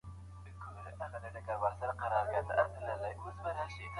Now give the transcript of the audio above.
املا د سواد په لاره کي یو ګام دی.